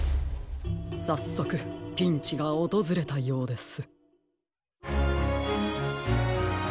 さっそくピンチがおとずれたようです。